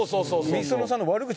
ｍｉｓｏｎｏさんの悪口